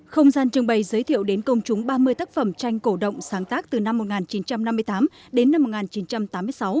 không gian trưng bày giới thiệu đến công chúng ba mươi tác phẩm tranh cổ động sáng tác từ năm một nghìn chín trăm năm mươi tám đến năm một nghìn chín trăm tám mươi sáu